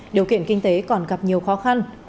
điều kiện kinh tế còn gặp nhiều khó khăn